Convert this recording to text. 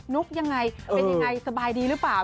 ุ๊กยังไงเป็นยังไงสบายดีหรือเปล่า